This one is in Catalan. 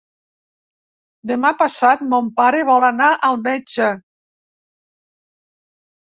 Demà passat mon pare vol anar al metge.